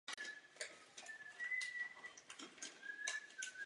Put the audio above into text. Jde o protiklad k termínu "transgender".